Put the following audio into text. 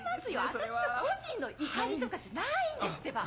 私の個人の怒りとかじゃないんですってば。